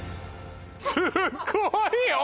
すっごいよ